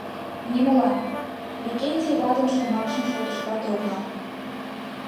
Нимолан, — Викентий ватын шомакшым шотышкат ок нал.